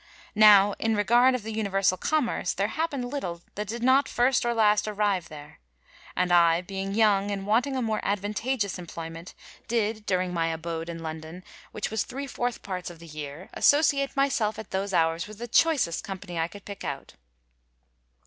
Now, in regard of the universal commerce, there happened little that did not, first or last, arrive there. And I, being young, and wanting a more advantageous imployment, did, diu*ing my aboad in London, which was three fourth parts of the year, associate myself at those hours with the choicest company I could pick out.'